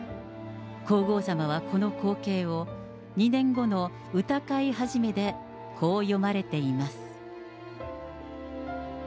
皇后さまはこの光景を、２年後の歌会始でこう詠まれています。